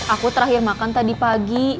aku terakhir makan tadi pagi